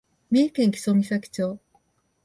三重県木曽岬町